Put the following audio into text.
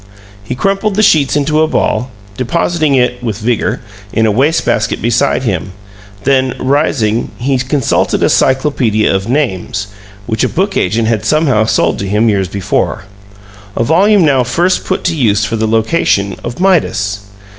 He crumpled the sheets into a ball, depositing it (with vigor) in a waste basket beside him; then, rising, he consulted a Cyclopedia of Names, which a book agent had somehow sold to him years before; a volume now first put to use for the location of "Midas."